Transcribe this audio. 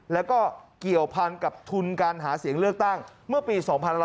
แล้วก็เกี่ยวพันกับทุนการหาเสียงเลือกตั้งเมื่อปี๒๕๖๐